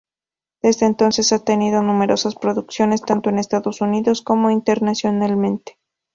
Desde entonces ha tenido numerosas producciones tanto en Estados Unidos como internacionalmente.